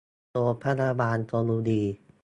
โรงพยาบาลชลบุรี